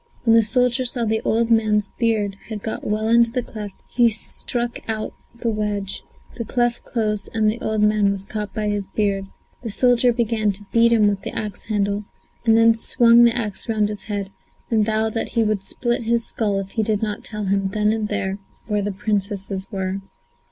When the soldier saw the old man's beard had got well into the cleft, he struck out the wedge; the cleft closed and the old man was caught by the beard. The soldier began to beat him with the axe handle, and then swung the axe round his head, and vowed that he would split his skull if he did not tell him, there and then, where the Princesses were.